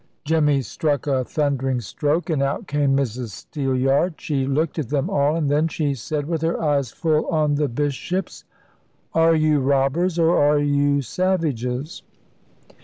Jemmy struck a thundering stroke, and out came Mrs Steelyard. She looked at them all, and then she said, with her eyes full on the Bishop's, "Are you robbers, or are you savages?